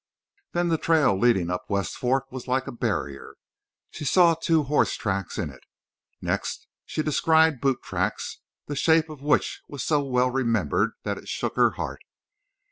Then the trail leading up West Fork was like a barrier. She saw horse tracks in it. Next she descried boot tracks the shape of which was so well remembered that it shook her heart.